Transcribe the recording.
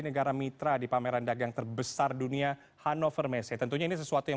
negara mitra di pameran dagang terbesar dunia hannover messe tentunya ini sesuatu yang